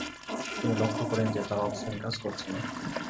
তিনি লক্ষ্য করেন যে, তার অফ স্পিন কাজ করছে না।